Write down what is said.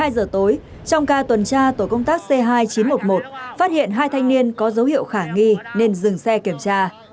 một mươi giờ tối trong ca tuần tra tổ công tác c hai nghìn chín trăm một mươi một phát hiện hai thanh niên có dấu hiệu khả nghi nên dừng xe kiểm tra